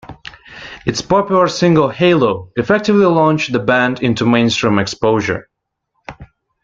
It's popular single, "Halo", effectively launched the band into mainstream exposure.